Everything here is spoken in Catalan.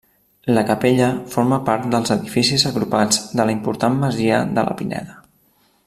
La capella forma part dels edificis agrupats de la important masia de la Pineda.